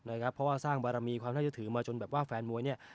เพราะว่าสร้างบารมีความน่าจะถือมาจนแบบว่าแฟนมวยเนี่ย